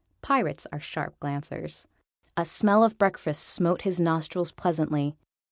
(Pirates are sharp glancers.) A smell of breakfast smote his nostrils pleasantly.